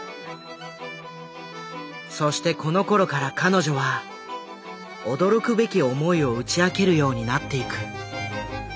そしてこのころから彼女は驚くべき思いを打ち明けるようになっていく。